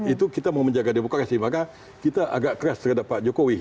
itu kita mau menjaga demokrasi maka kita agak keras terhadap pak jokowi